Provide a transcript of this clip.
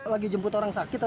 lagi jemput orang sakit